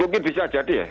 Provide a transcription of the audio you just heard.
mungkin bisa jadi ya